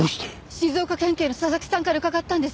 静岡県警の佐々木さんから伺ったんです。